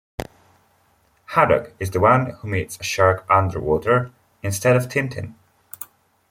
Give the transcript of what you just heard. Haddock is the one who meets a shark underwater instead of Tintin.